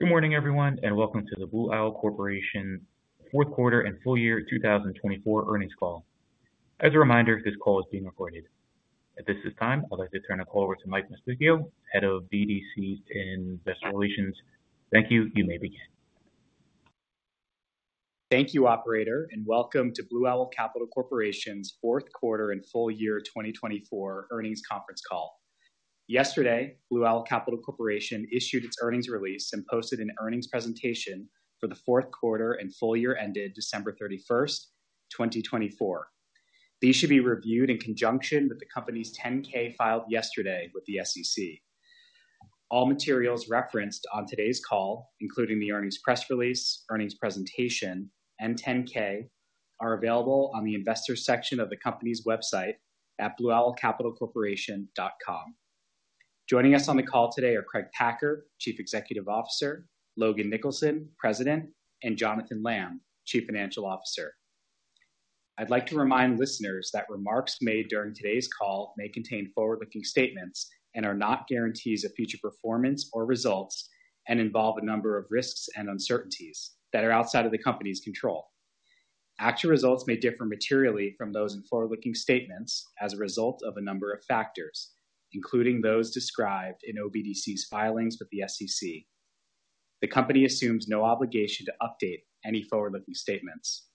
Good morning, everyone, and welcome to the Blue Owl Corporation's fourth quarter and full year 2024 earnings call. As a reminder, this call is being recorded. At this time, I'd like to turn the call over to Mike Mosticchio, Head of BDC Investor Relations. Thank you. You may begin. Thank you, Operator, and welcome to Blue Owl Capital Corporation's fourth quarter and full year 2024 earnings conference call. Yesterday, Blue Owl Capital Corporation issued its earnings release and posted an earnings presentation for the fourth quarter and full year ended December 31st, 2024. These should be reviewed in conjunction with the company's 10-K filed yesterday with the SEC. All materials referenced on today's call, including the earnings press release, earnings presentation, and 10-K, are available on the investor section of the company's website at blueowlcapitalcorporation.com. Joining us on the call today are Craig Packer, Chief Executive Officer; Logan Nicholson, President; and Jonathan Lamm, Chief Financial Officer. I'd like to remind listeners that remarks made during today's call may contain forward-looking statements and are not guarantees of future performance or results and involve a number of risks and uncertainties that are outside of the company's control. Actual results may differ materially from those in forward-looking statements as a result of a number of factors, including those described in OBDC's filings with the SEC. The company assumes no obligation to update any forward-looking statements.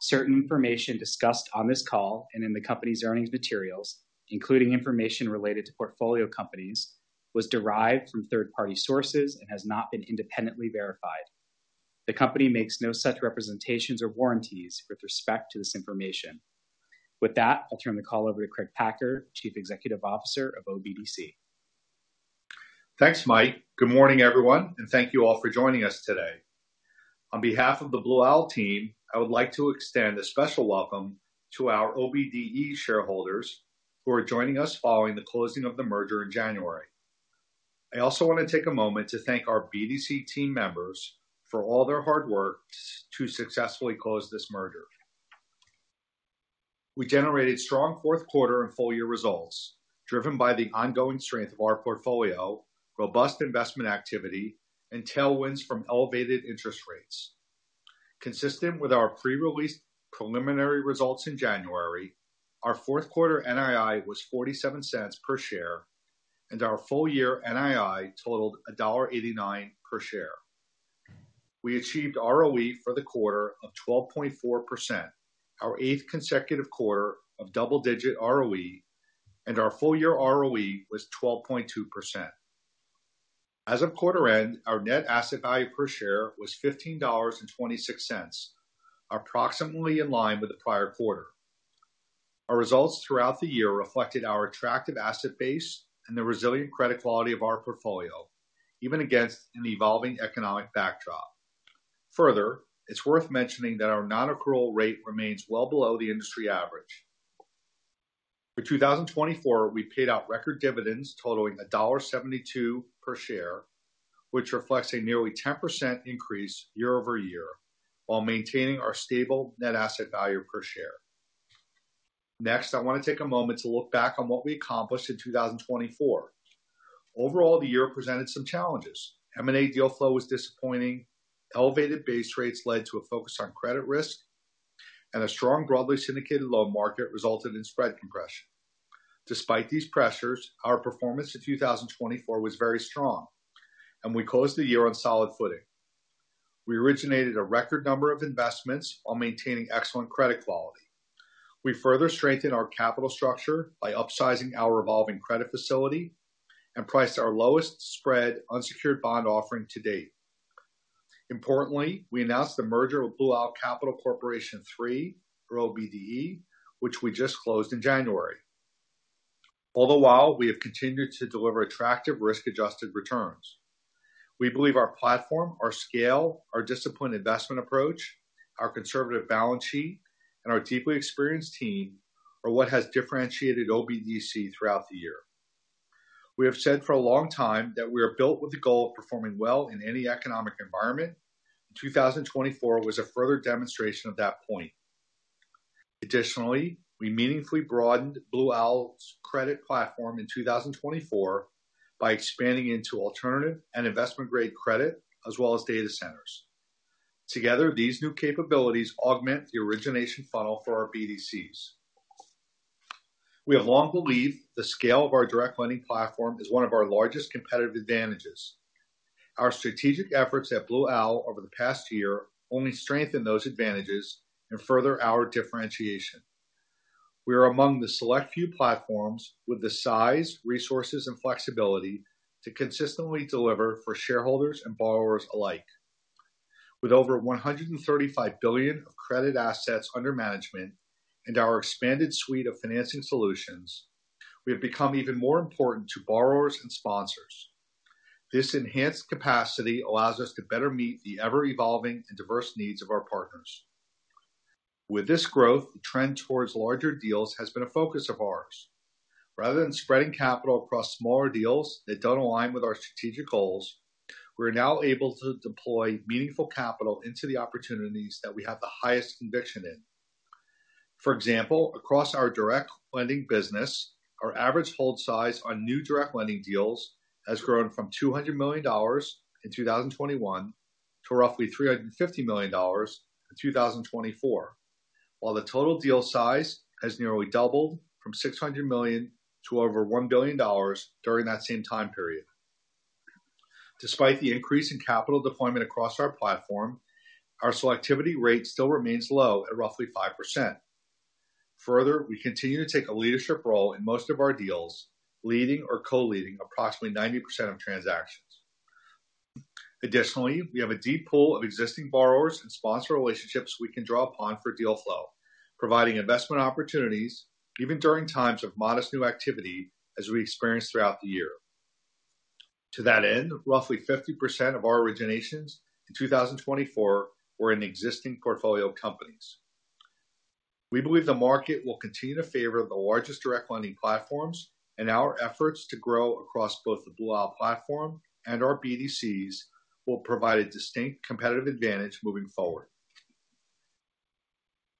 Certain information discussed on this call and in the company's earnings materials, including information related to portfolio companies, was derived from third-party sources and has not been independently verified. The company makes no such representations or warranties with respect to this information. With that, I'll turn the call over to Craig Packer, Chief Executive Officer of OBDC. Thanks, Mike. Good morning, everyone, and thank you all for joining us today. On behalf of the Blue Owl team, I would like to extend a special welcome to our OBDE shareholders who are joining us following the closing of the merger in January. I also want to take a moment to thank our BDC team members for all their hard work to successfully close this merger. We generated strong fourth quarter and full year results, driven by the ongoing strength of our portfolio, robust investment activity, and tailwinds from elevated interest rates. Consistent with our pre-released preliminary results in January, our fourth quarter NII was $0.47 per share, and our full year NII totaled $1.89 per share. We achieved ROE for the quarter of 12.4%, our eighth consecutive quarter of double-digit ROE, and our full year ROE was 12.2%. As of quarter end, our net asset value per share was $15.26, approximately in line with the prior quarter. Our results throughout the year reflected our attractive asset base and the resilient credit quality of our portfolio, even against an evolving economic backdrop. Further, it's worth mentioning that our non-accrual rate remains well below the industry average. For 2024, we paid out record dividends totaling $1.72 per share, which reflects a nearly 10% increase year over year while maintaining our stable net asset value per share. Next, I want to take a moment to look back on what we accomplished in 2024. Overall, the year presented some challenges. M&A deal flow was disappointing, elevated base rates led to a focus on credit risk, and a strong broadly syndicated loan market resulted in spread compression. Despite these pressures, our performance in 2024 was very strong, and we closed the year on solid footing. We originated a record number of investments while maintaining excellent credit quality. We further strengthened our capital structure by upsizing our revolving credit facility and priced our lowest spread unsecured bond offering to date. Importantly, we announced the merger with Blue Owl Capital Corporation III, or OBDE, which we just closed in January. All the while, we have continued to deliver attractive risk-adjusted returns. We believe our platform, our scale, our disciplined investment approach, our conservative balance sheet, and our deeply experienced team are what has differentiated OBDC throughout the year. We have said for a long time that we are built with the goal of performing well in any economic environment. 2024 was a further demonstration of that point. Additionally, we meaningfully broadened Blue Owl's credit platform in 2024 by expanding into alternative and investment-grade credit, as well as data centers. Together, these new capabilities augment the origination funnel for our BDCs. We have long believed the scale of our direct lending platform is one of our largest competitive advantages. Our strategic efforts at Blue Owl over the past year only strengthen those advantages and further our differentiation. We are among the select few platforms with the size, resources, and flexibility to consistently deliver for shareholders and borrowers alike. With over $135 billion of credit assets under management and our expanded suite of financing solutions, we have become even more important to borrowers and sponsors. This enhanced capacity allows us to better meet the ever-evolving and diverse needs of our partners. With this growth, the trend towards larger deals has been a focus of ours. Rather than spreading capital across smaller deals that don't align with our strategic goals, we are now able to deploy meaningful capital into the opportunities that we have the highest conviction in. For example, across our direct lending business, our average hold size on new direct lending deals has grown from $200 million in 2021 to roughly $350 million in 2024, while the total deal size has nearly doubled from $600 million to over $1 billion during that same time period. Despite the increase in capital deployment across our platform, our selectivity rate still remains low at roughly 5%. Further, we continue to take a leadership role in most of our deals, leading or co-leading approximately 90% of transactions. Additionally, we have a deep pool of existing borrowers and sponsor relationships we can draw upon for deal flow, providing investment opportunities even during times of modest new activity as we experience throughout the year. To that end, roughly 50% of our originations in 2024 were in existing portfolio companies. We believe the market will continue to favor the largest direct lending platforms, and our efforts to grow across both the Blue Owl platform and our BDCs will provide a distinct competitive advantage moving forward.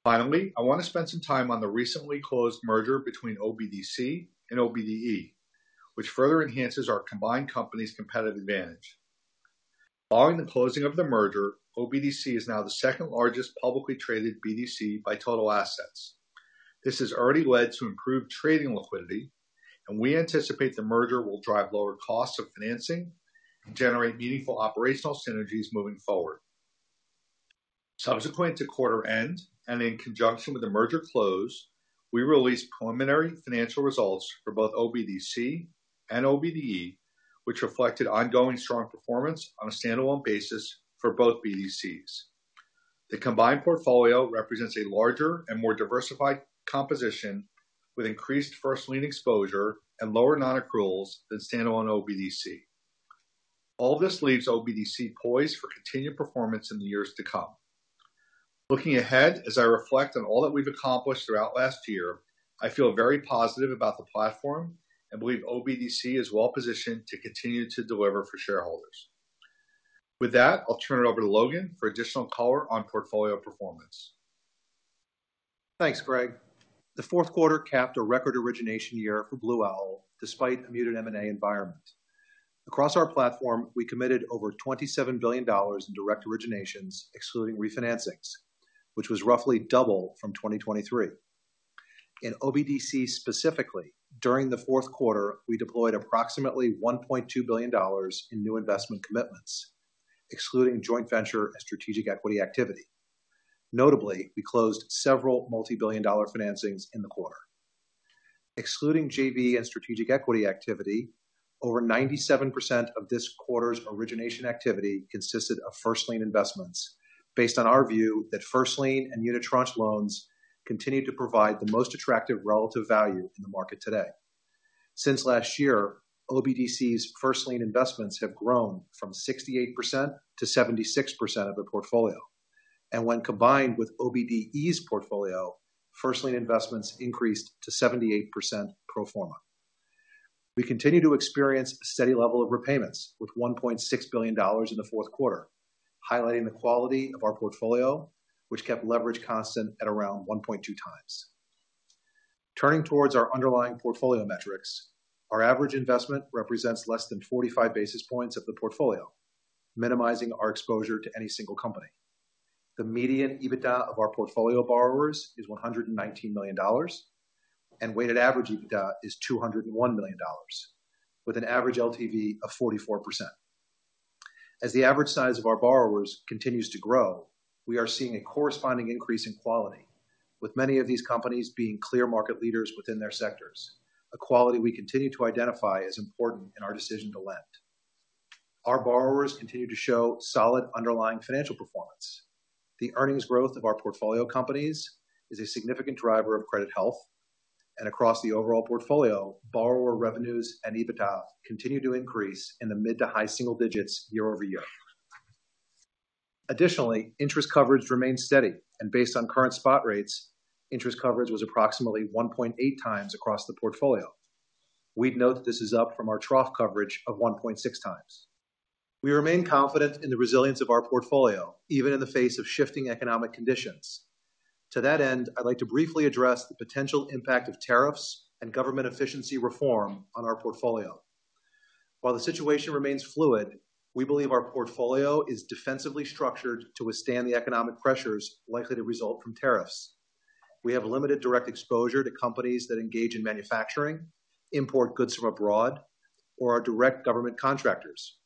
Finally, I want to spend some time on the recently closed merger between OBDC and OBDE, which further enhances our combined company's competitive advantage. Following the closing of the merger, OBDC is now the second largest publicly traded BDC by total assets. This has already led to improved trading liquidity, and we anticipate the merger will drive lower costs of financing and generate meaningful operational synergies moving forward. Subsequent to quarter end and in conjunction with the merger close, we released preliminary financial results for both OBDC and OBDE, which reflected ongoing strong performance on a standalone basis for both BDCs. The combined portfolio represents a larger and more diversified composition with increased first-lien exposure and lower non-accruals than standalone OBDC. All this leaves OBDC poised for continued performance in the years to come. Looking ahead as I reflect on all that we've accomplished throughout last year, I feel very positive about the platform and believe OBDC is well positioned to continue to deliver for shareholders. With that, I'll turn it over to Logan for additional color on portfolio performance. Thanks, Craig. The fourth quarter capped a record origination year for Blue Owl despite a muted M&A environment. Across our platform, we committed over $27 billion in direct originations, excluding refinancings, which was roughly double from 2023. In OBDC specifically, during the fourth quarter, we deployed approximately $1.2 billion in new investment commitments, excluding joint venture and strategic equity activity. Notably, we closed several multi-billion-dollar financings in the quarter. Excluding JV and strategic equity activity, over 97% of this quarter's origination activity consisted of first-lien investments, based on our view that first-lien and unitranche loans continue to provide the most attractive relative value in the market today. Since last year, OBDC's first-lien investments have grown from 68%-76% of the portfolio, and when combined with OBDE's portfolio, first-lien investments increased to 78% pro forma. We continue to experience a steady level of repayments with $1.6 billion in the fourth quarter, highlighting the quality of our portfolio, which kept leverage constant at around 1.2x. Turning towards our underlying portfolio metrics, our average investment represents less than 45 basis points of the portfolio, minimizing our exposure to any single company. The median EBITDA of our portfolio borrowers is $119 million, and weighted average EBITDA is $201 million, with an average LTV of 44%. As the average size of our borrowers continues to grow, we are seeing a corresponding increase in quality, with many of these companies being clear market leaders within their sectors, a quality we continue to identify as important in our decision to lend. Our borrowers continue to show solid underlying financial performance. The earnings growth of our portfolio companies is a significant driver of credit health, and across the overall portfolio, borrower revenues and EBITDA continue to increase in the mid to high single digits year over year. Additionally, interest coverage remains steady, and based on current spot rates, interest coverage was approximately 1.8x across the portfolio. We'd note that this is up from our trough coverage of 1.6x. We remain confident in the resilience of our portfolio, even in the face of shifting economic conditions. To that end, I'd like to briefly address the potential impact of tariffs and government efficiency reform on our portfolio. While the situation remains fluid, we believe our portfolio is defensively structured to withstand the economic pressures likely to result from tariffs. We have limited direct exposure to companies that engage in manufacturing, import goods from abroad, or are direct government contractors.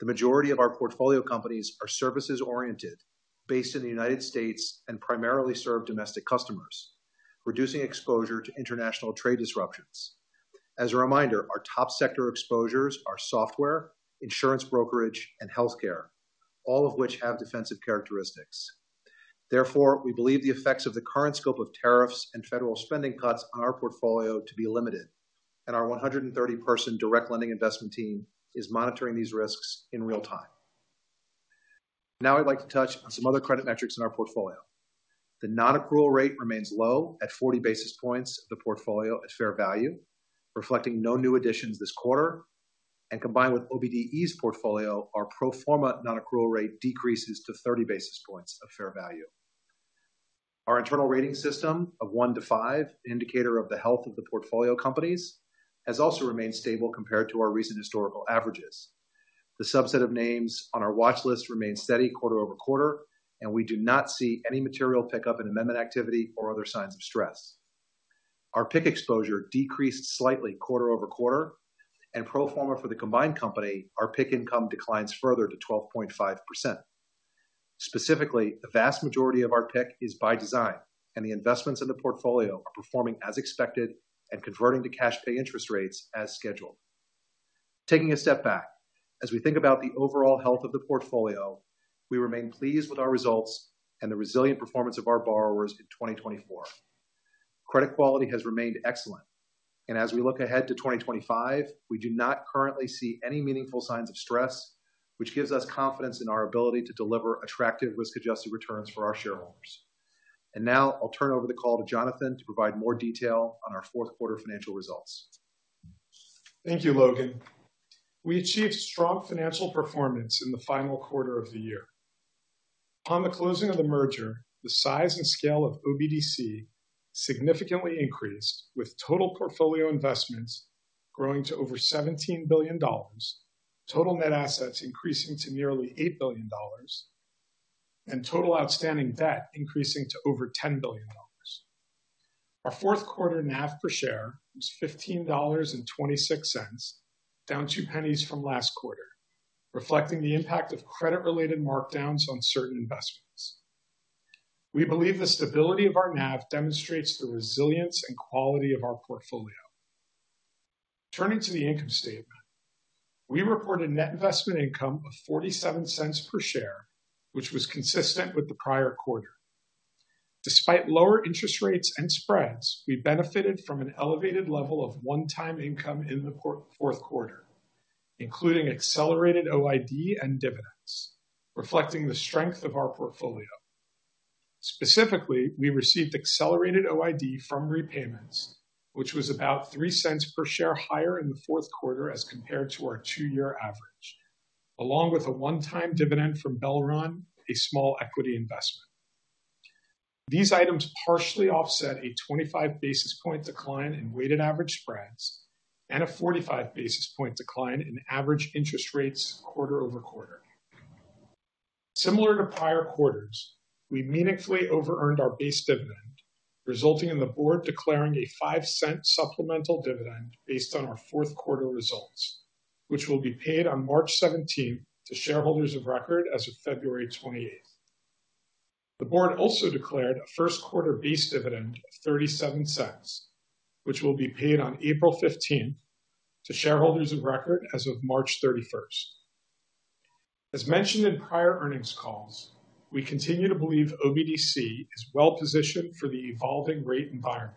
The majority of our portfolio companies are services-oriented, based in the United States and primarily serve domestic customers, reducing exposure to international trade disruptions. As a reminder, our top sector exposures are software, insurance brokerage, and healthcare, all of which have defensive characteristics. Therefore, we believe the effects of the current scope of tariffs and federal spending cuts on our portfolio to be limited, and our 130-person direct lending investment team is monitoring these risks in real time. Now I'd like to touch on some other credit metrics in our portfolio. The non-accrual rate remains low at 40 basis points of the portfolio at fair value, reflecting no new additions this quarter, and combined with OBDE's portfolio, our pro forma non-accrual rate decreases to 30 basis points of fair value. Our internal rating system of one to five, an indicator of the health of the portfolio companies, has also remained stable compared to our recent historical averages. The subset of names on our watch list remains steady quarter over quarter, and we do not see any material pickup in amendment activity or other signs of stress. Our PIK exposure decreased slightly quarter-over-quarter, and pro forma for the combined company, our PIK income declines further to 12.5%. Specifically, the vast majority of our PIK is by design, and the investments in the portfolio are performing as expected and converting to cash pay interest rates as scheduled. Taking a step back, as we think about the overall health of the portfolio, we remain pleased with our results and the resilient performance of our borrowers in 2024. Credit quality has remained excellent, and as we look ahead to 2025, we do not currently see any meaningful signs of stress, which gives us confidence in our ability to deliver attractive risk-adjusted returns for our shareholders. And now I'll turn over the call to Jonathan to provide more detail on our fourth quarter financial results. Thank you, Logan. We achieved strong financial performance in the final quarter of the year. Upon the closing of the merger, the size and scale of OBDC significantly increased, with total portfolio investments growing to over $17 billion, total net assets increasing to nearly $8 billion, and total outstanding debt increasing to over $10 billion. Our fourth quarter NAV per share was $15.26, down $0.02 from last quarter, reflecting the impact of credit-related markdowns on certain investments. We believe the stability of our NAV demonstrates the resilience and quality of our portfolio. Turning to the income statement, we reported net investment income of $0.47 per share, which was consistent with the prior quarter. Despite lower interest rates and spreads, we benefited from an elevated level of one-time income in the fourth quarter, including accelerated OID and dividends, reflecting the strength of our portfolio. Specifically, we received accelerated OID from repayments, which was about $0.03 per share higher in the fourth quarter as compared to our two-year average, along with a one-time dividend from Belron, a small equity investment. These items partially offset a 25 basis point decline in weighted average spreads and a 45 basis point decline in average interest rates quarter over quarter. Similar to prior quarters, we meaningfully over-earned our base dividend, resulting in the board declaring a $0.05 supplemental dividend based on our fourth quarter results, which will be paid on March 17th to shareholders of record as of February 28th. The board also declared a first quarter base dividend of $0.37, which will be paid on April 15th to shareholders of record as of March 31st. As mentioned in prior earnings calls, we continue to believe OBDC is well positioned for the evolving rate environment.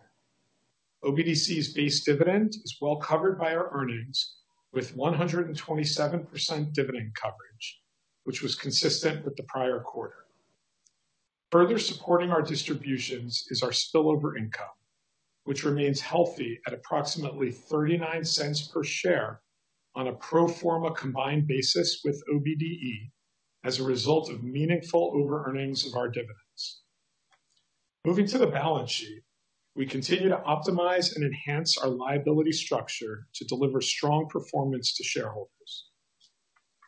OBDC's base dividend is well covered by our earnings, with 127% dividend coverage, which was consistent with the prior quarter. Further supporting our distributions is our spillover income, which remains healthy at approximately $0.39 per share on a pro forma combined basis with OBDE as a result of meaningful over-earnings of our dividends. Moving to the balance sheet, we continue to optimize and enhance our liability structure to deliver strong performance to shareholders.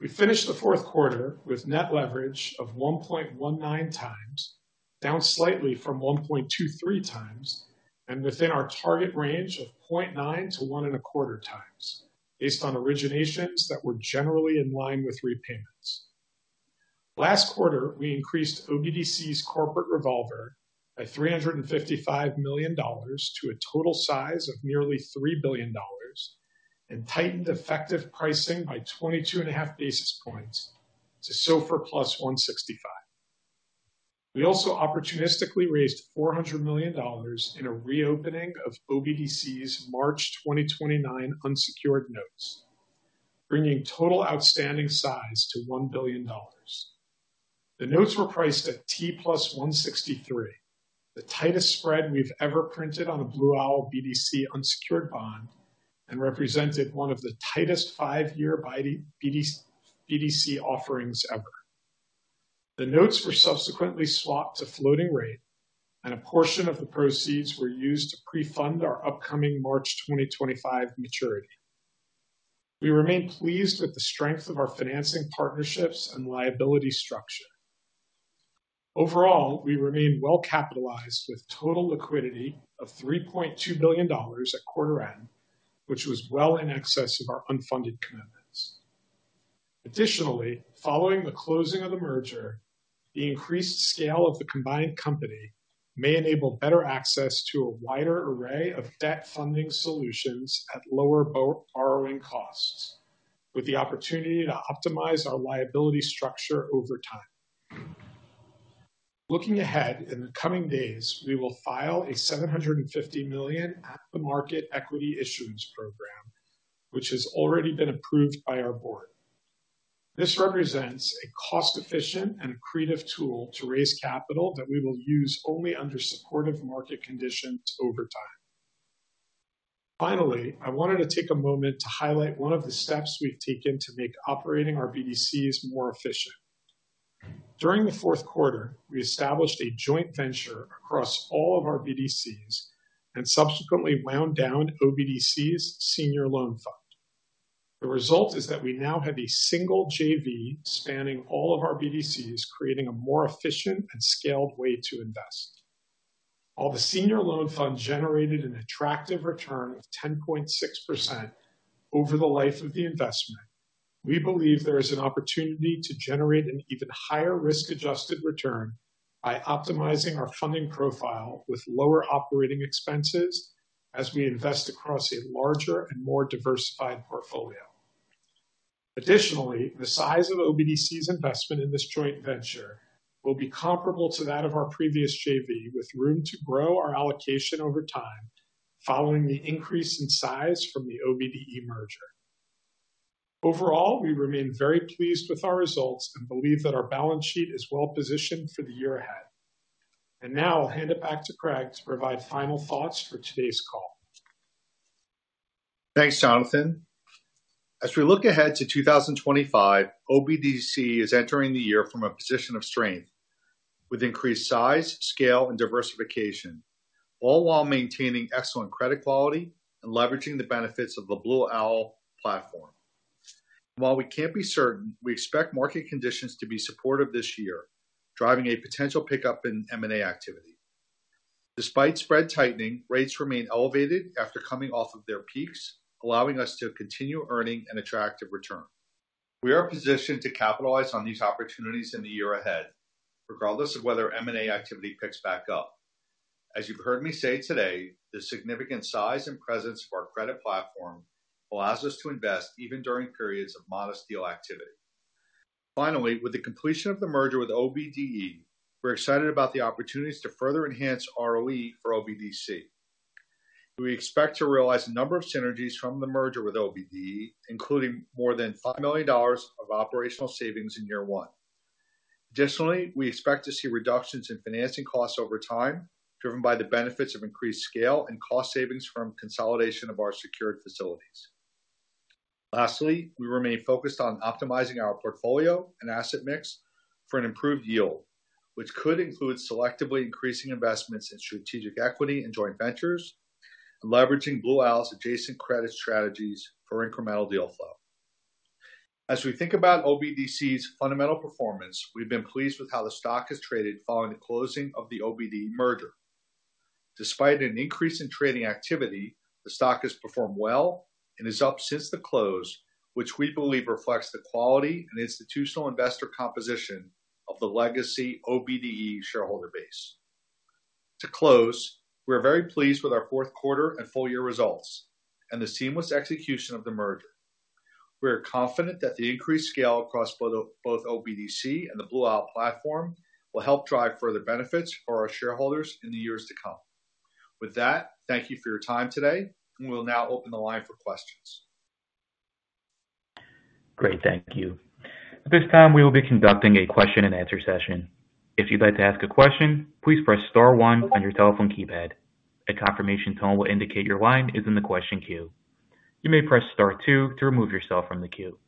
We finished the fourth quarter with net leverage of 1.19x, down slightly from 1.23x, and within our target range of 0.9-1.25x, based on originations that were generally in line with repayments. Last quarter, we increased OBDC's corporate revolver by $355 million to a total size of nearly $3 billion and tightened effective pricing by 22.5 basis points to SOFR plus 165. We also opportunistically raised $400 million in a reopening of OBDC's March 2029 unsecured notes, bringing total outstanding size to $1 billion. The notes were priced at T + 163, the tightest spread we've ever printed on a Blue Owl BDC unsecured bond and represented one of the tightest five-year BDC offerings ever. The notes were subsequently swapped to floating rate, and a portion of the proceeds were used to pre-fund our upcoming March 2025 maturity. We remain pleased with the strength of our financing partnerships and liability structure. Overall, we remain well capitalized with total liquidity of $3.2 billion at quarter end, which was well in excess of our unfunded commitments. Additionally, following the closing of the merger, the increased scale of the combined company may enable better access to a wider array of debt funding solutions at lower borrowing costs, with the opportunity to optimize our liability structure over time. Looking ahead, in the coming days, we will file a $750 million at-the-market equity issuance program, which has already been approved by our board. This represents a cost-efficient and creative tool to raise capital that we will use only under supportive market conditions over time. Finally, I wanted to take a moment to highlight one of the steps we've taken to make operating our BDCs more efficient. During the fourth quarter, we established a joint venture across all of our BDCs and subsequently wound down OBDC's Senior Loan Fund. The result is that we now have a single JV spanning all of our BDCs, creating a more efficient and scaled way to invest. While the Senior Loan Fund generated an attractive return of 10.6% over the life of the investment, we believe there is an opportunity to generate an even higher risk-adjusted return by optimizing our funding profile with lower operating expenses as we invest across a larger and more diversified portfolio. Additionally, the size of OBDC's investment in this joint venture will be comparable to that of our previous JV, with room to grow our allocation over time following the increase in size from the OBDE merger. Overall, we remain very pleased with our results and believe that our balance sheet is well positioned for the year ahead. And now I'll hand it back to Craig to provide final thoughts for today's call. Thanks, Jonathan. As we look ahead to 2025, OBDC is entering the year from a position of strength, with increased size, scale, and diversification, all while maintaining excellent credit quality and leveraging the benefits of the Blue Owl platform. While we can't be certain, we expect market conditions to be supportive this year, driving a potential pickup in M&A activity. Despite spread tightening, rates remain elevated after coming off of their peaks, allowing us to continue earning an attractive return. We are positioned to capitalize on these opportunities in the year ahead, regardless of whether M&A activity picks back up. As you've heard me say today, the significant size and presence of our credit platform allows us to invest even during periods of modest deal activity. Finally, with the completion of the merger with OBDE, we're excited about the opportunities to further enhance ROE for OBDC. We expect to realize a number of synergies from the merger with OBDE, including more than $5 million of operational savings in year one. Additionally, we expect to see reductions in financing costs over time, driven by the benefits of increased scale and cost savings from consolidation of our secured facilities. Lastly, we remain focused on optimizing our portfolio and asset mix for an improved yield, which could include selectively increasing investments in strategic equity and joint ventures, and leveraging Blue Owl's adjacent credit strategies for incremental deal flow. As we think about OBDC's fundamental performance, we've been pleased with how the stock has traded following the closing of the OBDE merger. Despite an increase in trading activity, the stock has performed well and is up since the close, which we believe reflects the quality and institutional investor composition of the legacy OBDE shareholder base. To close, we are very pleased with our fourth quarter and full-year results and the seamless execution of the merger. We are confident that the increased scale across both OBDC and the Blue Owl platform will help drive further benefits for our shareholders in the years to come. With that, thank you for your time today, and we'll now open the line for questions. Great, thank you. At this time, we will be conducting a question-and-answer session. If you'd like to ask a question, please press star one on your telephone keypad. A confirmation tone will indicate your line is in the question queue. You may press star two to remove yourself from the queue.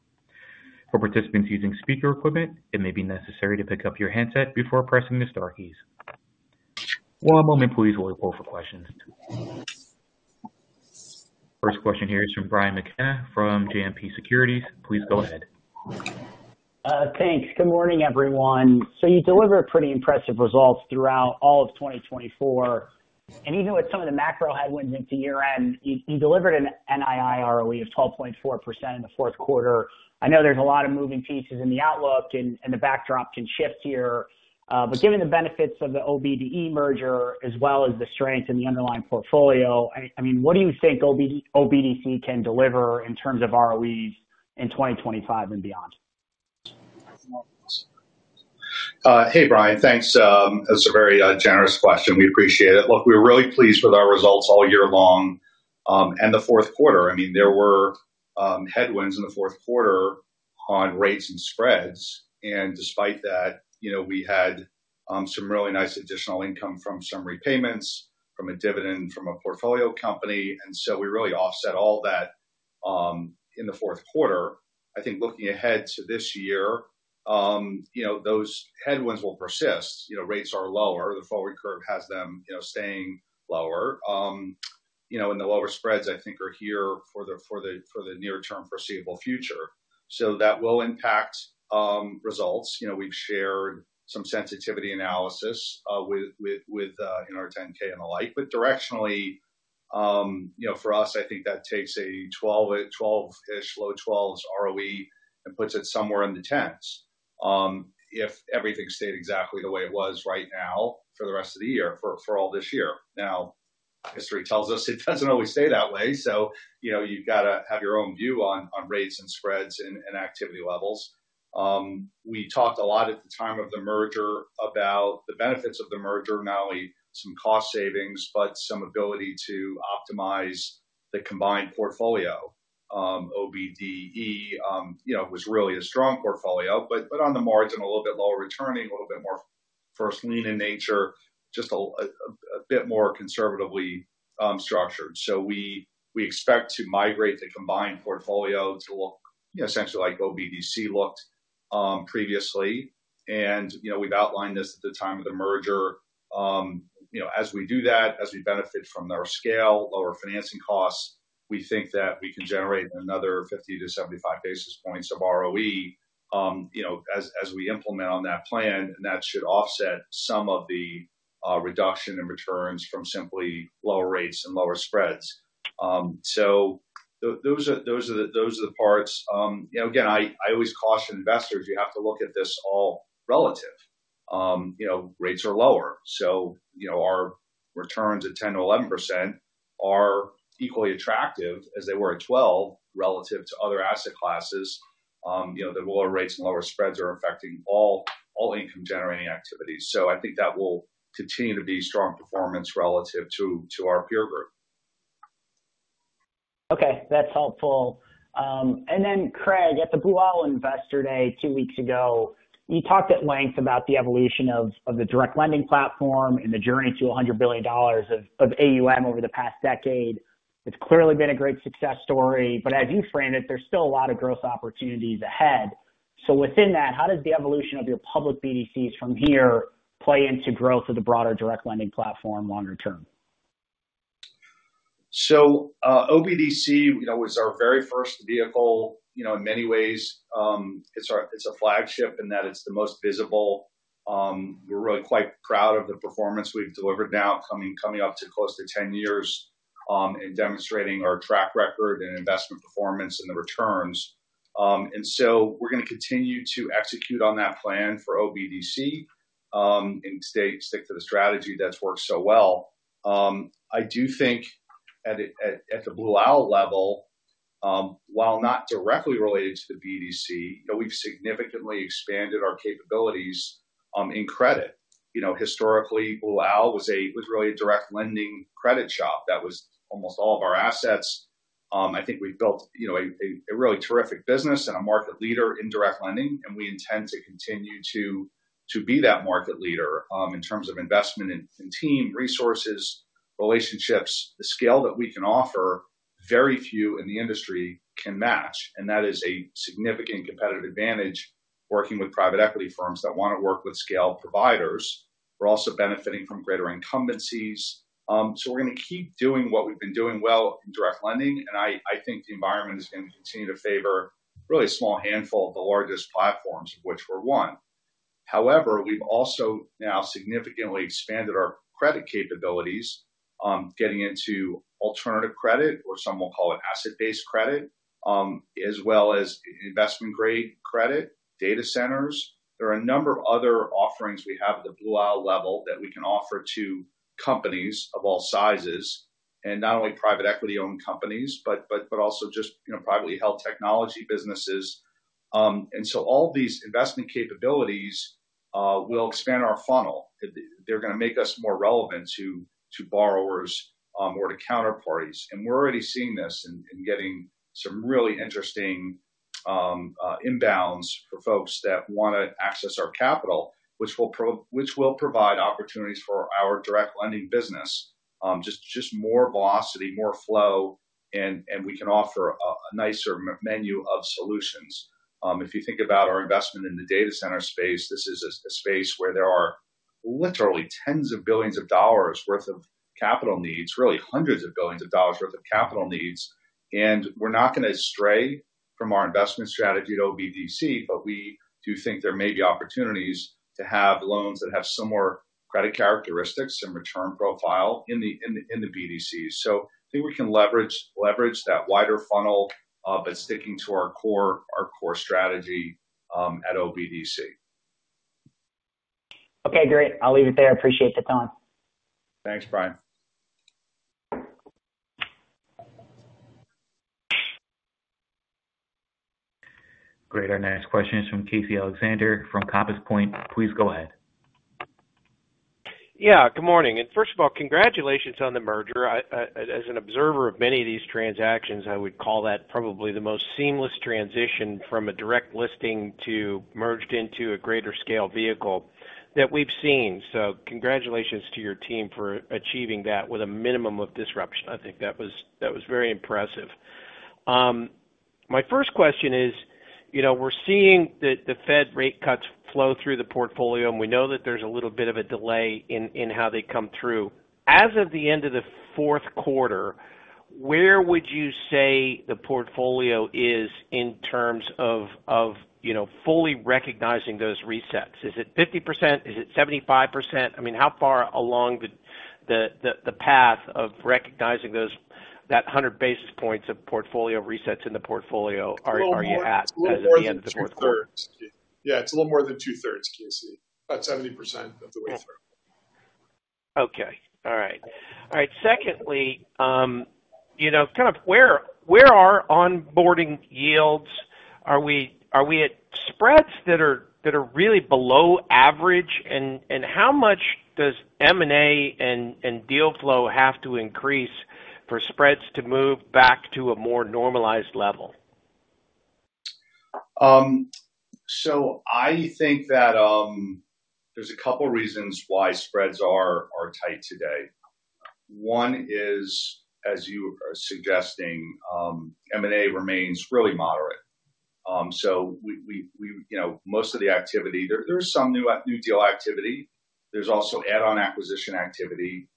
For participants using speaker equipment, it may be necessary to pick up your handset before pressing the star keys. One moment, please, while we pull up our questions. First question here is from Brian McKenna from JMP Securities. Please go ahead. Thanks. Good morning, everyone. So you delivered pretty impressive results throughout all of 2024. And even with some of the macro headwinds into year-end, you delivered an NII ROE of 12.4% in the fourth quarter. I know there's a lot of moving pieces in the outlook, and the backdrop can shift here. But given the benefits of the OBDE merger, as well as the strength in the underlying portfolio, I mean, what do you think OBDC can deliver in terms of ROEs in 2025 and beyond? Hey, Brian, thanks. That's a very generous question. We appreciate it. Look, we were really pleased with our results all year long, and the fourth quarter, I mean, there were headwinds in the fourth quarter on rates and spreads, and despite that, we had some really nice additional income from some repayments, from a dividend, from a portfolio company, and so we really offset all that in the fourth quarter. I think looking ahead to this year, those headwinds will persist. Rates are lower. The forward curve has them staying lower, and the lower spreads, I think, are here for the near-term foreseeable future, so that will impact results. We've shared some sensitivity analysis with our 10-K and the like. Directionally, for us, I think that takes a 12-ish, low 12s ROE and puts it somewhere in the 10s if everything stayed exactly the way it was right now for the rest of the year, for all this year. Now, history tells us it doesn't always stay that way. So you've got to have your own view on rates and spreads and activity levels. We talked a lot at the time of the merger about the benefits of the merger, not only some cost savings, but some ability to optimize the combined portfolio. OBDE was really a strong portfolio, but on the margin, a little bit lower returning, a little bit more first-lien in nature, just a bit more conservatively structured. So we expect to migrate the combined portfolio to look essentially like OBDC looked previously. We've outlined this at the time of the merger. As we do that, as we benefit from our scale, lower financing costs, we think that we can generate another 50-75 basis points of ROE as we implement on that plan. And that should offset some of the reduction in returns from simply lower rates and lower spreads. So those are the parts. Again, I always caution investors, you have to look at this all relative. Rates are lower. So our returns at 10%-11% are equally attractive as they were at 12% relative to other asset classes. The lower rates and lower spreads are affecting all income-generating activities. So I think that will continue to be strong performance relative to our peer group. Okay, that's helpful. And then, Craig, at the Blue Owl Investor Day two weeks ago, you talked at length about the evolution of the direct lending platform and the journey to $100 billion of AUM over the past decade. It's clearly been a great success story. But as you framed it, there's still a lot of growth opportunities ahead. So within that, how does the evolution of your public BDCs from here play into growth of the broader direct lending platform longer term? So OBDC was our very first vehicle. In many ways, it's a flagship in that it's the most visible. We're really quite proud of the performance we've delivered now, coming up to close to 10 years and demonstrating our track record and investment performance and the returns. And so we're going to continue to execute on that plan for OBDC and stick to the strategy that's worked so well. I do think at the Blue Owl level, while not directly related to the BDC, we've significantly expanded our capabilities in credit. Historically, Blue Owl was really a direct lending credit shop that was almost all of our assets. I think we've built a really terrific business and a market leader in direct lending. And we intend to continue to be that market leader in terms of investment and team, resources, relationships. The scale that we can offer, very few in the industry can match. And that is a significant competitive advantage working with private equity firms that want to work with scale providers. We're also benefiting from greater incumbencies. So we're going to keep doing what we've been doing well in direct lending. And I think the environment is going to continue to favor really a small handful of the largest platforms, of which we're one. However, we've also now significantly expanded our credit capabilities, getting into alternative credit, or some will call it asset-based credit, as well as investment-grade credit, data centers. There are a number of other offerings we have at the Blue Owl level that we can offer to companies of all sizes, and not only private equity-owned companies, but also just privately held technology businesses. And so all these investment capabilities will expand our funnel. They're going to make us more relevant to borrowers or to counterparties, and we're already seeing this and getting some really interesting inbounds for folks that want to access our capital, which will provide opportunities for our direct lending business, just more velocity, more flow, and we can offer a nicer menu of solutions. If you think about our investment in the data center space, this is a space where there are literally tens of billions of dollars' worth of capital needs, really hundreds of billions of dollars' worth of capital needs, and we're not going to stray from our investment strategy to OBDC, but we do think there may be opportunities to have loans that have similar credit characteristics and return profile in the BDC, so I think we can leverage that wider funnel, but sticking to our core strategy at OBDC. Okay, great. I'll leave it there. Appreciate the time. Thanks, Brian. Great. Our next question is from Casey Alexander from Compass Point. Please go ahead. Yeah, good morning. And first of all, congratulations on the merger. As an observer of many of these transactions, I would call that probably the most seamless transition from a direct listing to merged into a greater scale vehicle that we've seen. So congratulations to your team for achieving that with a minimum of disruption. I think that was very impressive. My first question is, we're seeing the Fed rate cuts flow through the portfolio, and we know that there's a little bit of a delay in how they come through. As of the end of the fourth quarter, where would you say the portfolio is in terms of fully recognizing those resets? Is it 50%? Is it 75%? I mean, how far along the path of recognizing that 100 basis points of portfolio resets in the portfolio are you at as of the end of the fourth quarter? Yeah, it's a little more than two-thirds, Casey. About 70% of the way through. Okay. All right. Secondly, kind of where are onboarding yields? Are we at spreads that are really below average? And how much does M&A and deal flow have to increase for spreads to move back to a more normalized level? So I think that there's a couple of reasons why spreads are tight today. One is, as you are suggesting, M&A remains really moderate. So most of the activity, there's some new deal activity. There's also add-on acquisition activity.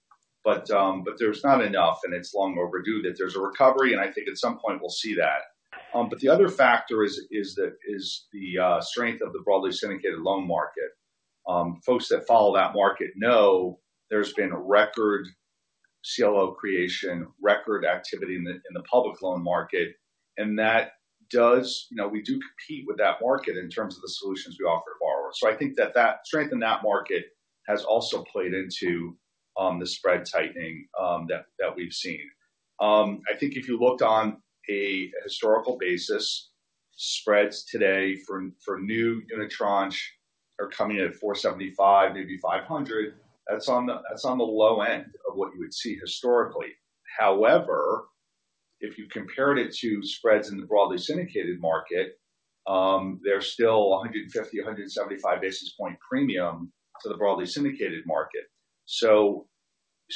But there's not enough, and it's long overdue, that there's a recovery. And I think at some point we'll see that. But the other factor is the strength of the broadly syndicated loan market. Folks that follow that market know there's been a record CLO creation, record activity in the public loan market. And we do compete with that market in terms of the solutions we offer to borrowers. So I think that strength in that market has also played into the spread tightening that we've seen. I think if you looked on a historical basis, spreads today for new unitranche are coming at 475, maybe 500. That's on the low end of what you would see historically. However, if you compare it to spreads in the broadly syndicated market, they're still 150-175 basis point premium to the broadly syndicated market. So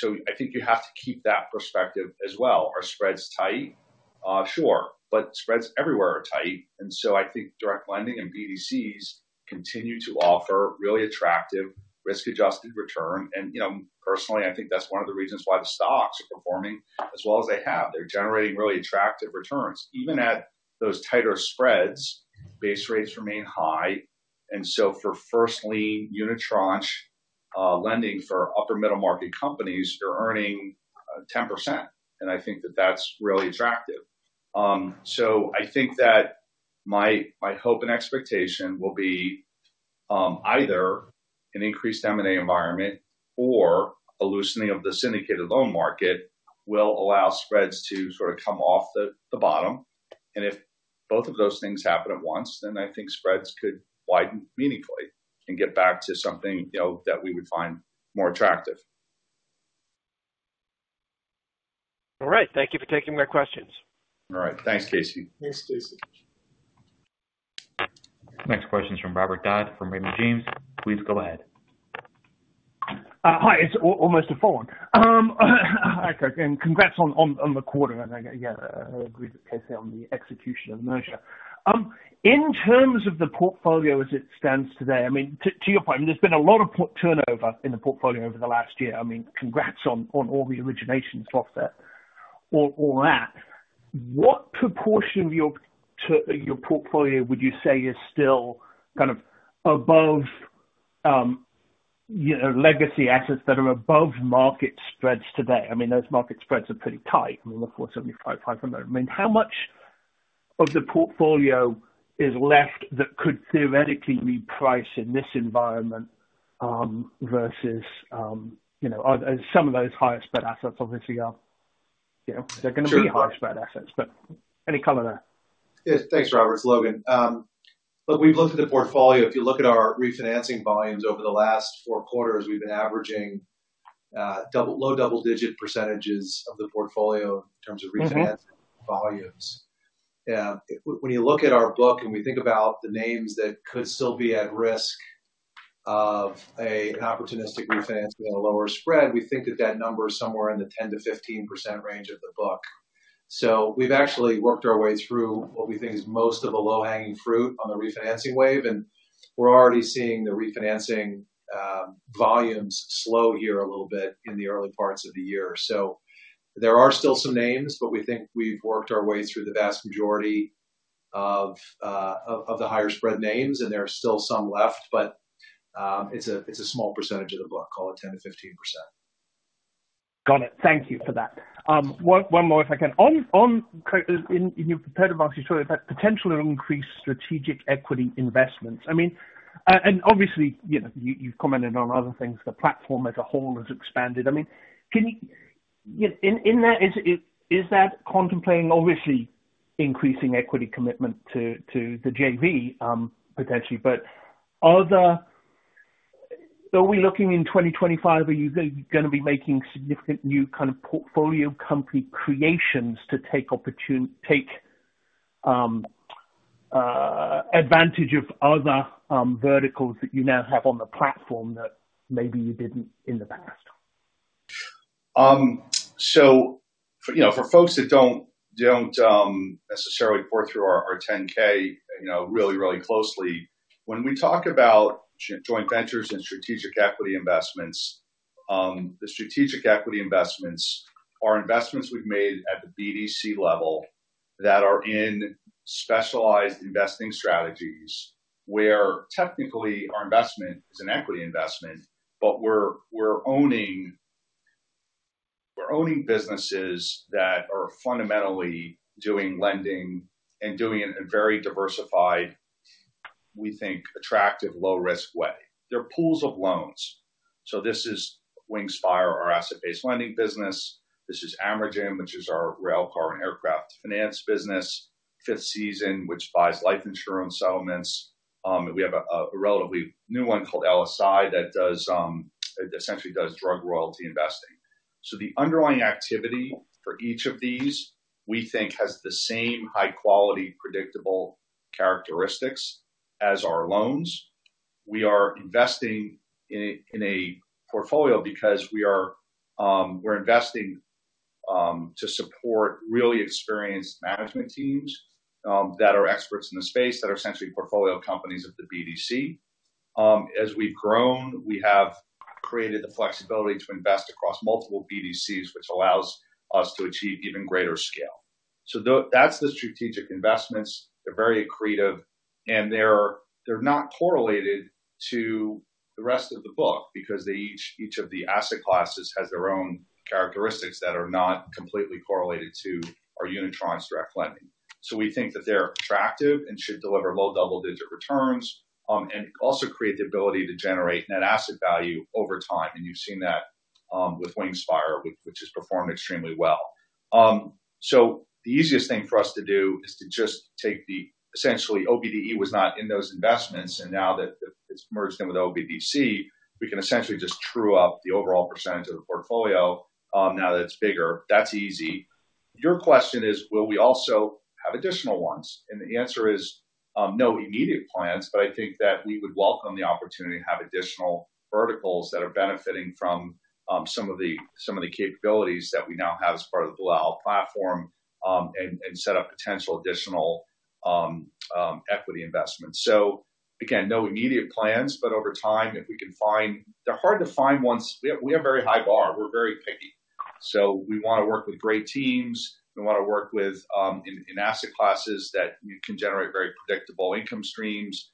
I think you have to keep that perspective as well. Are spreads tight? Sure. But spreads everywhere are tight. And so I think direct lending and BDCs continue to offer really attractive risk-adjusted return. And personally, I think that's one of the reasons why the stocks are performing as well as they have. They're generating really attractive returns. Even at those tighter spreads, base rates remain high. And so for first-lien unitranche lending for upper-middle market companies, you're earning 10%. And I think that that's really attractive. So I think that my hope and expectation will be either an increased M&A environment or a loosening of the syndicated loan market will allow spreads to sort of come off the bottom. And if both of those things happen at once, then I think spreads could widen meaningfully and get back to something that we would find more attractive. All right. Thank you for taking my questions. All right. Thanks, Casey. Thanks, Casey. Next question is from Robert Dodd from Raymond James. Please go ahead. Hi. It's almost a full one. Hi, Craig. And congrats on the quarter. And again, I agree with Casey on the execution of the merger. In terms of the portfolio as it stands today, I mean, to your point, there's been a lot of turnover in the portfolio over the last year. I mean, congrats on all the originations off that or that. What proportion of your portfolio would you say is still kind of above legacy assets that are above market spreads today? I mean, those market spreads are pretty tight. I mean, the 475, 500. I mean, how much of the portfolio is left that could theoretically be priced in this environment versus some of those higher spread assets obviously are? They're going to be high spread assets, but any color there. Yeah. Thanks, Robert, Logan. Look, we've looked at the portfolio. If you look at our refinancing volumes over the last four quarters, we've been averaging low double-digit percentages of the portfolio in terms of refinancing volumes. When you look at our book and we think about the names that could still be at risk of an opportunistic refinancing at a lower spread, we think that that number is somewhere in the 10%-15% range of the book. So we've actually worked our way through what we think is most of the low-hanging fruit on the refinancing wave. And we're already seeing the refinancing volumes slow here a little bit in the early parts of the year. So there are still some names, but we think we've worked our way through the vast majority of the higher spread names. There are still some left, but it's a small percentage of the book, call it 10%-15%. Got it. Thank you for that. One more, if I can. In your prepared remarks, you saw that potential increased strategic equity investments. I mean, and obviously, you've commented on other things, the platform as a whole has expanded. I mean, in that, is that contemplating obviously increasing equity commitment to the JV potentially? But are we looking in 2025? Are you going to be making significant new kind of portfolio company creations to take advantage of other verticals that you now have on the platform that maybe you didn't in the past? For folks that don't necessarily pore through our 10-K really, really closely, when we talk about joint ventures and strategic equity investments, the strategic equity investments are investments we've made at the BDC level that are in specialized investing strategies where technically our investment is an equity investment, but we're owning businesses that are fundamentally doing lending and doing it in a very diversified, we think, attractive low-risk way. They're pools of loans. This is Wingspire, our asset-based lending business. This is Amergin, which is our railcar and aircraft finance business. Fifth Season, which buys life insurance settlements. We have a relatively new one called LSI that essentially does drug royalty investing. The underlying activity for each of these, we think, has the same high-quality predictable characteristics as our loans. We are investing in a portfolio because we're investing to support really experienced management teams that are experts in the space that are essentially portfolio companies of the BDC. As we've grown, we have created the flexibility to invest across multiple BDCs, which allows us to achieve even greater scale, so that's the strategic investments. They're very accretive, and they're not correlated to the rest of the book because each of the asset classes has their own characteristics that are not completely correlated to our unitranche direct lending. So we think that they're attractive and should deliver low double-digit returns and also create the ability to generate net asset value over time, and you've seen that with Wingspire, which has performed extremely well, so the easiest thing for us to do is to just take the, essentially, OBDE was not in those investments. And now that it's merged in with OBDC, we can essentially just true up the overall percentage of the portfolio now that it's bigger. That's easy. Your question is, will we also have additional ones? And the answer is no immediate plans, but I think that we would welcome the opportunity to have additional verticals that are benefiting from some of the capabilities that we now have as part of the Blue Owl platform and set up potential additional equity investments. So again, no immediate plans, but over time, if we can find. They're hard to find ones. We have a very high bar. We're very picky. So we want to work with great teams. We want to work with asset classes that can generate very predictable income streams.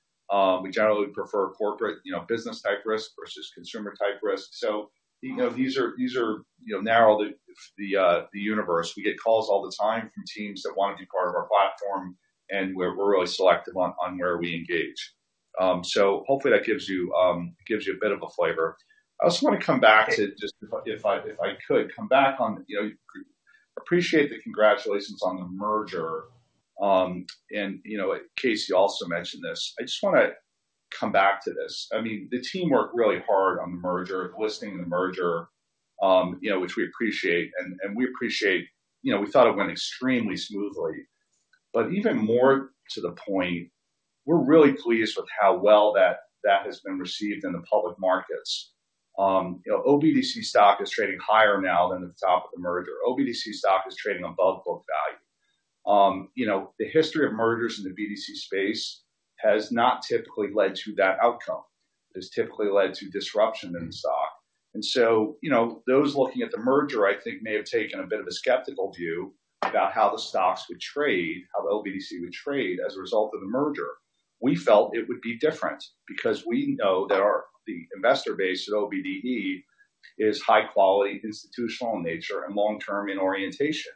We generally prefer corporate business-type risk versus consumer-type risk. So these are narrow, the universe. We get calls all the time from teams that want to be part of our platform, and we're really selective on where we engage. So hopefully that gives you a bit of a flavor. I also want to come back to, just if I could, come back on. Appreciate the congratulations on the merger, and Casey also mentioned this. I just want to come back to this. I mean, the team worked really hard on the merger, the listing and the merger, which we appreciate, and we appreciate we thought it went extremely smoothly, but even more to the point, we're really pleased with how well that has been received in the public markets. OBDC stock is trading higher now than at the top of the merger. OBDC stock is trading above book value. The history of mergers in the BDC space has not typically led to that outcome. It has typically led to disruption in the stock. And so those looking at the merger, I think, may have taken a bit of a skeptical view about how the stocks would trade, how the OBDC would trade as a result of the merger. We felt it would be different because we know that the investor base at OBDE is high-quality, institutional in nature, and long-term in orientation.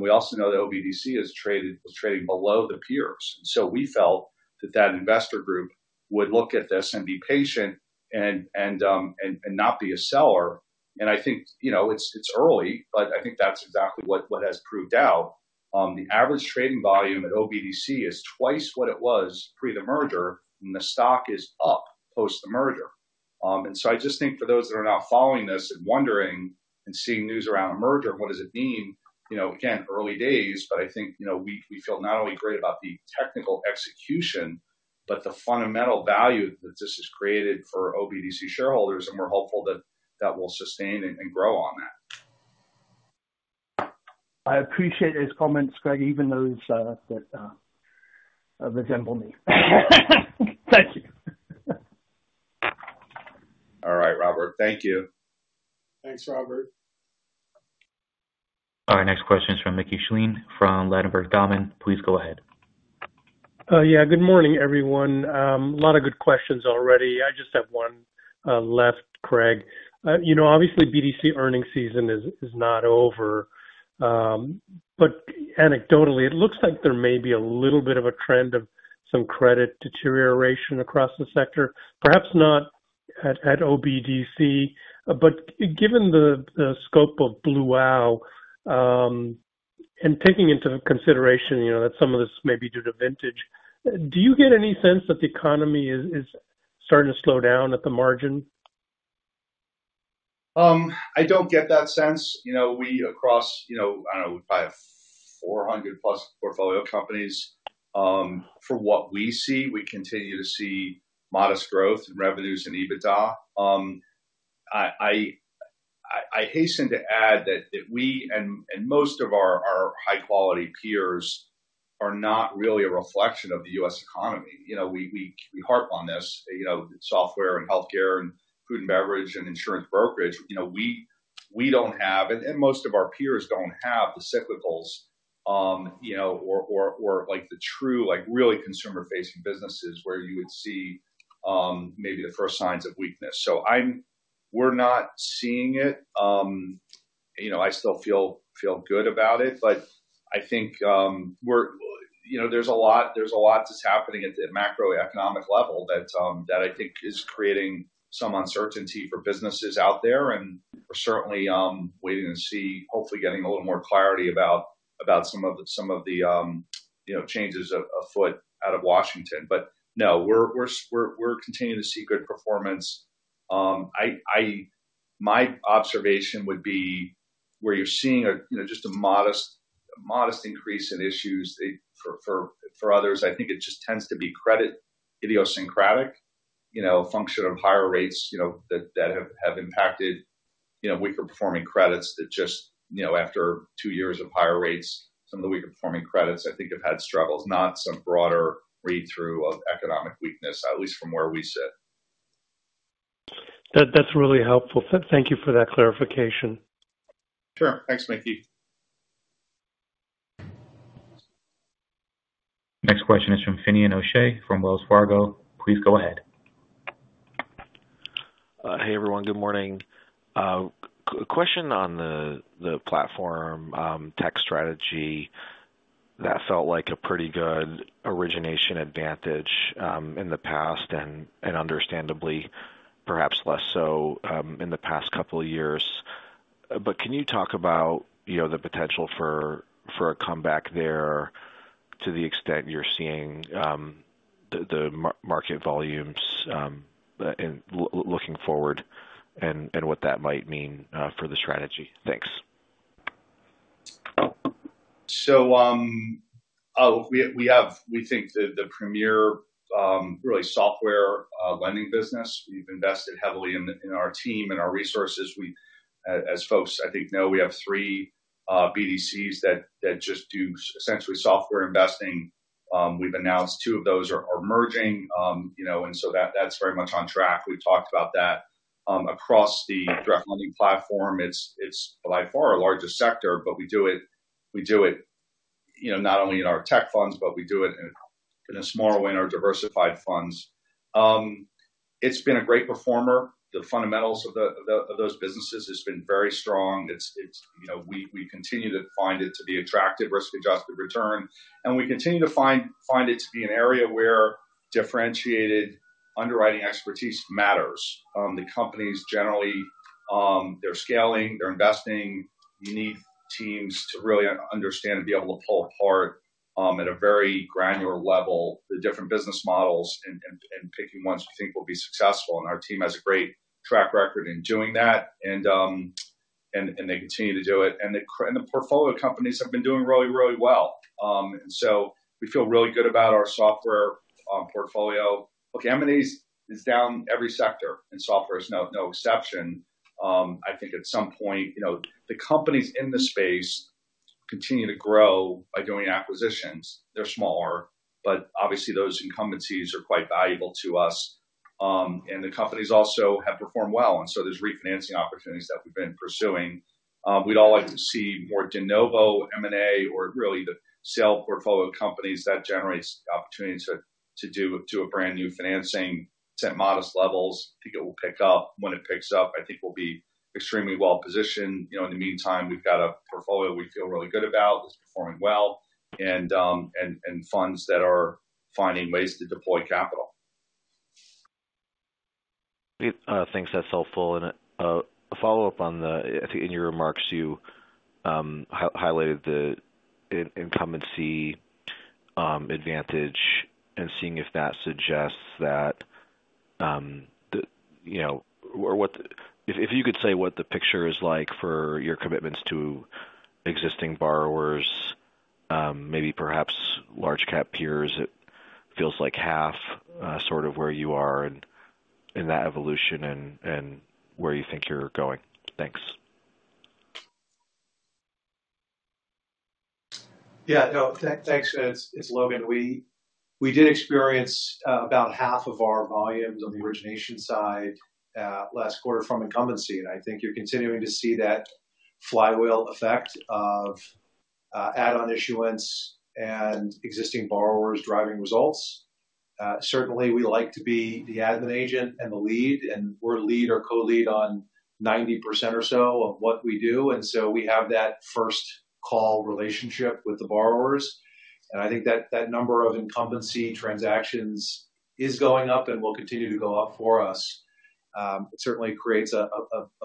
We also know that OBDC is trading below the peers. And so we felt that that investor group would look at this and be patient and not be a seller. And I think it's early, but I think that's exactly what has proved out. The average trading volume at OBDC is twice what it was pre the merger, and the stock is up post the merger. And so I just think for those that are now following this and wondering and seeing news around a merger and what does it mean, again, early days, but I think we feel not only great about the technical execution, but the fundamental value that this has created for OBDC shareholders. And we're hopeful that that will sustain and grow on that. I appreciate those comments, Craig, even those that resemble me. Thank you. All right, Robert. Thank you. Thanks, Robert. All right. Next question is from Mickey Schleien from Ladenburg Thalmann. Please go ahead. Yeah. Good morning, everyone. A lot of good questions already. I just have one left, Craig. Obviously, BDC earnings season is not over. But anecdotally, it looks like there may be a little bit of a trend of some credit deterioration across the sector, perhaps not at OBDC. But given the scope of Blue Owl and taking into consideration that some of this may be due to vintage, do you get any sense that the economy is starting to slow down at the margin? I don't get that sense. We across, I don't know, we probably have 400-plus portfolio companies. For what we see, we continue to see modest growth in revenues and EBITDA. I hasten to add that we and most of our high-quality peers are not really a reflection of the U.S. economy. We harp on this, software and healthcare and food and beverage and insurance brokerage. We don't have, and most of our peers don't have the cyclicals or the true, really consumer-facing businesses where you would see maybe the first signs of weakness. So we're not seeing it. I still feel good about it. But I think there's a lot that's happening at the macroeconomic level that I think is creating some uncertainty for businesses out there, and are certainly waiting to see, hopefully getting a little more clarity about some of the changes afoot out of Washington. But no, we're continuing to see good performance. My observation would be where you're seeing just a modest increase in issues for others. I think it just tends to be credit idiosyncratic, a function of higher rates that have impacted weaker-performing credits that just after two years of higher rates, some of the weaker-performing credits, I think, have had struggles, not some broader read-through of economic weakness, at least from where we sit. That's really helpful. Thank you for that clarification. Sure. Thanks, Mickey. Next question is from Finian O'Shea from Wells Fargo. Please go ahead. Hey, everyone. Good morning. A question on the platform tech strategy that felt like a pretty good origination advantage in the past and understandably, perhaps less so in the past couple of years. But can you talk about the potential for a comeback there to the extent you're seeing the market volumes looking forward and what that might mean for the strategy? Thanks. So we think the premier, really, software lending business. We've invested heavily in our team and our resources. As folks, I think, know, we have three BDCs that just do essentially software investing. We've announced two of those are merging. And so that's very much on track. We've talked about that across the direct lending platform. It's by far our largest sector, but we do it not only in our tech funds, but we do it in a smaller way in our diversified funds. It's been a great performer. The fundamentals of those businesses have been very strong. We continue to find it to be attractive risk-adjusted return. And we continue to find it to be an area where differentiated underwriting expertise matters. The companies generally, they're scaling, they're investing. You need teams to really understand and be able to pull apart at a very granular level the different business models and picking ones we think will be successful, and our team has a great track record in doing that, and they continue to do it, and the portfolio companies have been doing really, really well, and so we feel really good about our software portfolio. Look, M&A is down every sector, and software is no exception. I think at some point, the companies in the space continue to grow by doing acquisitions. They're smaller, but obviously, those incumbencies are quite valuable to us, and the companies also have performed well, and so there's refinancing opportunities that we've been pursuing. We'd all like to see more de novo M&A or really the sale portfolio companies that generate opportunities to do a brand new financing. At modest levels, I think it will pick up. When it picks up, I think we'll be extremely well-positioned. In the meantime, we've got a portfolio we feel really good about that's performing well and funds that are finding ways to deploy capital. Thanks. That's helpful. And a follow-up on the, I think, in your remarks, you highlighted the incumbency advantage and seeing if that suggests that or if you could say what the picture is like for your commitments to existing borrowers, maybe perhaps large-cap peers. It feels like half sort of where you are in that evolution and where you think you're going. Thanks. Yeah. No, thanks. It's Logan. We did experience about half of our volumes on the origination side last quarter from incumbency. And I think you're continuing to see that flywheel effect of add-on issuance and existing borrowers driving results. Certainly, we like to be the admin agent and the lead. And we're lead or co-lead on 90% or so of what we do. And so we have that first call relationship with the borrowers. And I think that number of incumbency transactions is going up and will continue to go up for us. It certainly creates a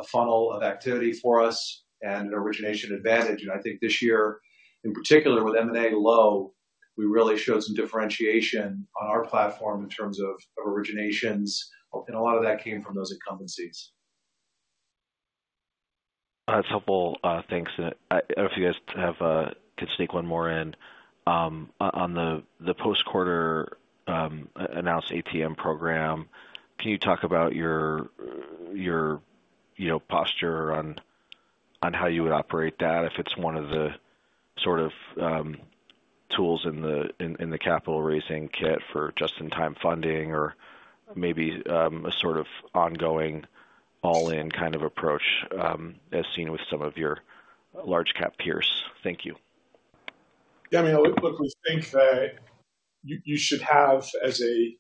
funnel of activity for us and an origination advantage. And I think this year, in particular, with M&A low, we really showed some differentiation on our platform in terms of originations. And a lot of that came from those incumbencies. That's helpful. Thanks. I don't know if you guys could sneak one more in. On the post-quarter announced ATM program, can you talk about your posture on how you would operate that if it's one of the sort of tools in the capital raising kit for just-in-time funding or maybe a sort of ongoing all-in kind of approach as seen with some of your large-cap peers? Thank you. Yeah. I mean, I would think that you should have, as a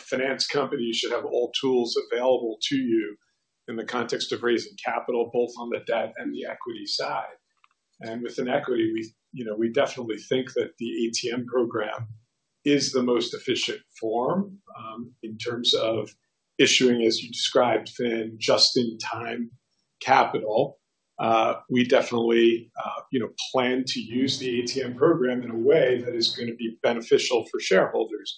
finance company, you should have all tools available to you in the context of raising capital, both on the debt and the equity side, and within equity, we definitely think that the ATM program is the most efficient form in terms of issuing, as you described, just-in-time capital. We definitely plan to use the ATM program in a way that is going to be beneficial for shareholders.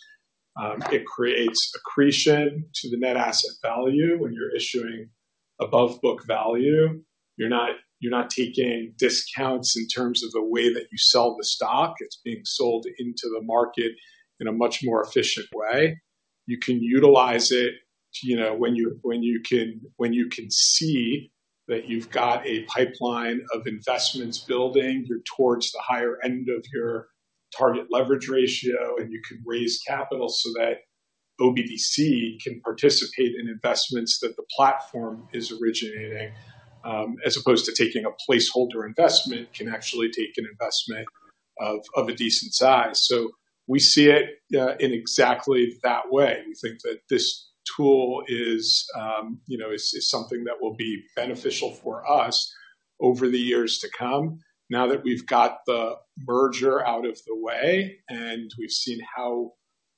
It creates accretion to the net asset value. When you're issuing above book value, you're not taking discounts in terms of the way that you sell the stock. It's being sold into the market in a much more efficient way. You can utilize it when you can see that you've got a pipeline of investments building. You're towards the higher end of your target leverage ratio, and you can raise capital so that OBDC can participate in investments that the platform is originating, as opposed to taking a placeholder investment, can actually take an investment of a decent size. So we see it in exactly that way. We think that this tool is something that will be beneficial for us over the years to come. Now that we've got the merger out of the way and we've seen how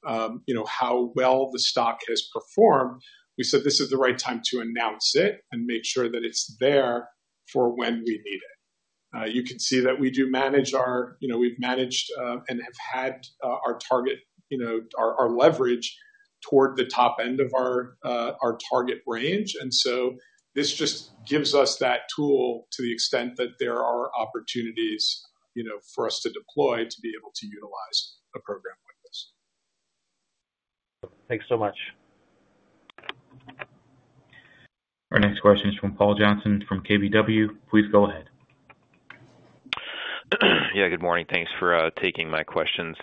well the stock has performed, we said this is the right time to announce it and make sure that it's there for when we need it. You can see that we've managed and have had our target, our leverage toward the top end of our target range. This just gives us that tool to the extent that there are opportunities for us to deploy to be able to utilize a program like this. Thanks so much. Our next question is from Paul Johnson from KBW. Please go ahead. Yeah. Good morning. Thanks for taking my questions.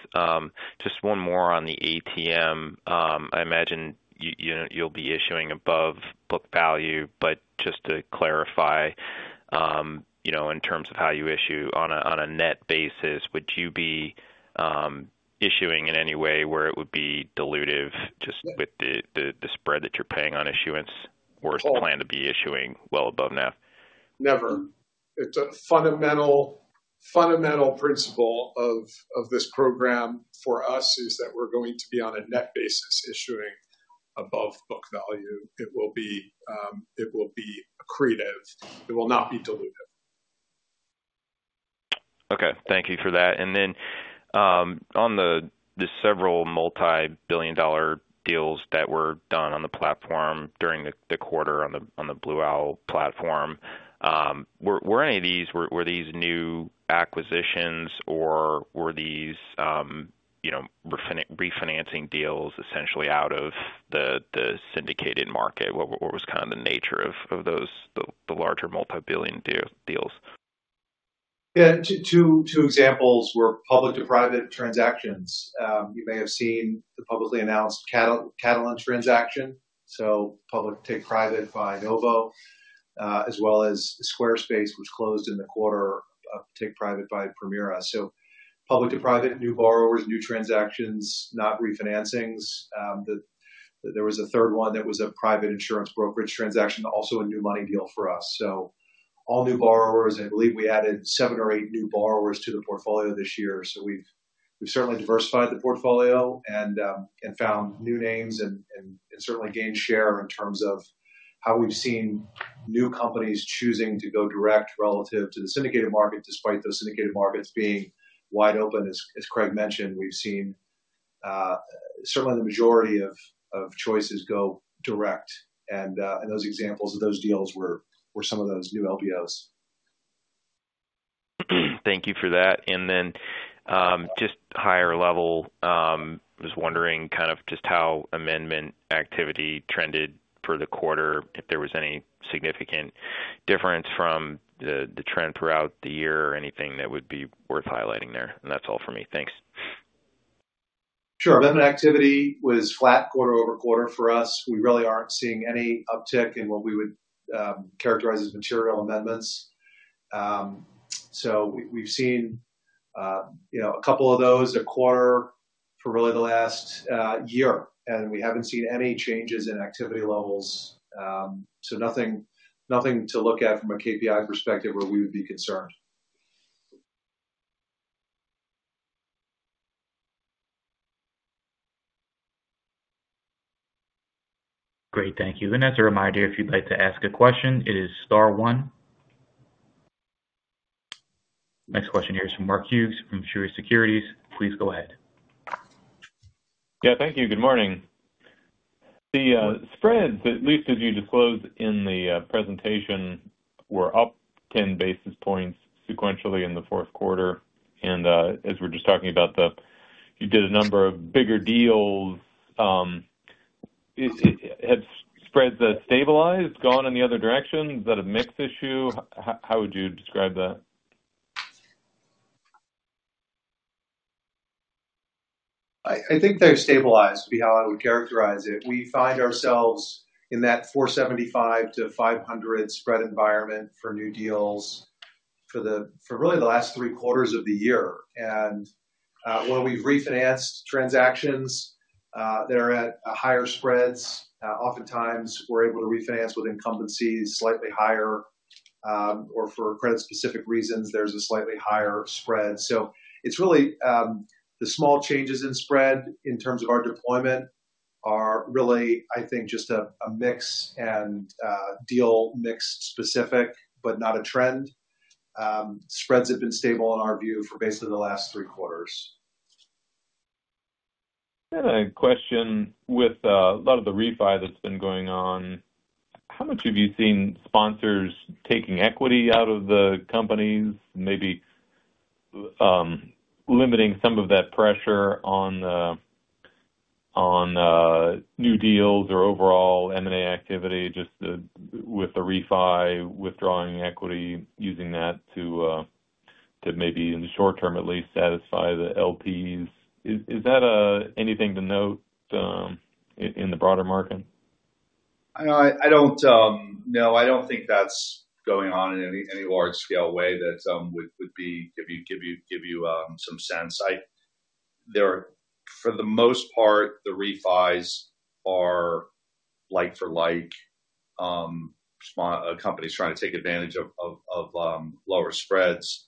Just one more on the ATM. I imagine you'll be issuing above book value. But just to clarify, in terms of how you issue on a net basis, would you be issuing in any way where it would be dilutive just with the spread that you're paying on issuance versus plan to be issuing well above net? Never. It's a fundamental principle of this program for us is that we're going to be on a net basis issuing above book value. It will be accretive. It will not be dilutive. Okay. Thank you for that. And then on the several multi-billion-dollar deals that were done on the platform during the quarter on the Blue Owl platform, were any of these new acquisitions or were these refinancing deals essentially out of the syndicated market? What was kind of the nature of the larger multi-billion-dollar deals? Yeah. Two examples were public-to-private transactions. You may have seen the publicly announced Catalent transaction. So public-to-private by Novo, as well as Squarespace, which closed in the quarter of take-private by Permira. So public-to-private, new borrowers, new transactions, not refinancings. There was a third one that was a private insurance brokerage transaction, also a new money deal for us. So all new borrowers. I believe we added seven or eight new borrowers to the portfolio this year. So we've certainly diversified the portfolio and found new names and certainly gained share in terms of how we've seen new companies choosing to go direct relative to the syndicated market, despite those syndicated markets being wide open. As Craig mentioned, we've seen certainly the majority of choices go direct. And those examples of those deals were some of those new LBOs. Thank you for that. Then just higher level, I was wondering kind of just how amendment activity trended for the quarter, if there was any significant difference from the trend throughout the year or anything that would be worth highlighting there? That's all for me. Thanks. Sure. Amendment activity was flat quarter over quarter for us. We really aren't seeing any uptick in what we would characterize as material amendments. So we've seen a couple of those a quarter for really the last year. And we haven't seen any changes in activity levels. So nothing to look at from a KPI perspective where we would be concerned. Great. Thank you. And as a reminder, if you'd like to ask a question, it is star one. Next question here is from Mark Hughes from Truist Securities. Please go ahead. Yeah. Thank you. Good morning. The spreads, at least as you disclosed in the presentation, were up 10 basis points sequentially in the fourth quarter. And as we're just talking about, you did a number of bigger deals. Have spreads stabilized, gone in the other direction? Is that a mixed issue? How would you describe that? I think they're stabilized, would be how I would characterize it. We find ourselves in that 475-500 spread environment for new deals for really the last three quarters of the year, and when we've refinanced transactions, they're at higher spreads. Oftentimes, we're able to refinance with incumbents slightly higher or for credit-specific reasons, there's a slightly higher spread. So it's really the small changes in spread in terms of our deployment are really, I think, just a mix- and deal-mix-specific, but not a trend. Spreads have been stable in our view for basically the last three quarters. I had a question with a lot of the refis that's been going on. How much have you seen sponsors taking equity out of the companies, maybe limiting some of that pressure on new deals or overall M&A activity, just with the refi withdrawing equity, using that to maybe in the short term, at least, satisfy the LPs? Is that anything to note in the broader market? I don't know. I don't think that's going on in any large-scale way that would give you some sense. For the most part, the refis are like-for-like. A company is trying to take advantage of lower spreads,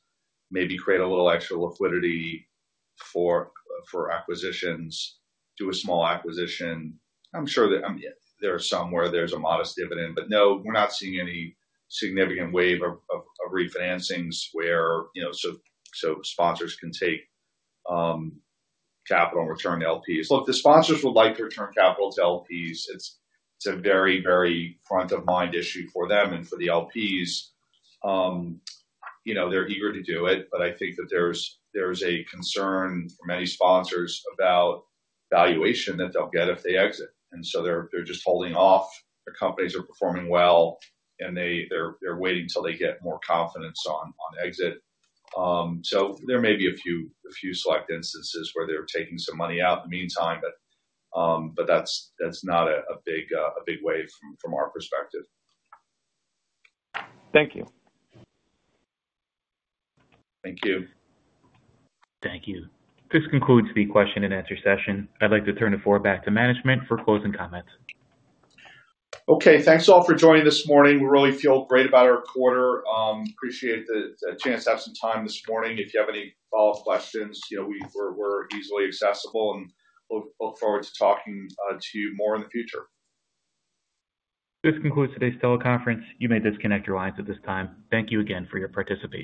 maybe create a little extra liquidity for acquisitions, do a small acquisition. I'm sure there are some where there's a modest dividend, but no, we're not seeing any significant wave of refinancings where sponsors can take capital and return to LPs. Look, the sponsors would like to return capital to LPs. It's a very, very front-of-mind issue for them and for the LPs. They're eager to do it, but I think that there's a concern for many sponsors about valuation that they'll get if they exit, and so they're just holding off. Their companies are performing well, and they're waiting until they get more confidence on exit. So there may be a few select instances where they're taking some money out in the meantime, but that's not a big wave from our perspective. Thank you. Thank you. Thank you. This concludes the question-and-answer session. I'd like to turn the floor back to management for closing comments. Okay. Thanks all for joining this morning. We really feel great about our quarter. Appreciate the chance to have some time this morning. If you have any follow-up questions, we're easily accessible and look forward to talking to you more in the future. This concludes today's teleconference. You may disconnect your lines at this time. Thank you again for your participation.